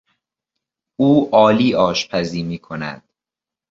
او عالی آشپزی میکند.